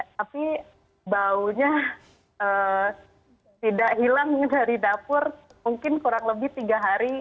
tapi baunya tidak hilang dari dapur mungkin kurang lebih tiga hari